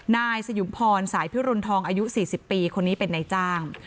นายสยุมพรสายพิรุณทองอายุ๔๐ปีคนนี้เป็นนายจ้าง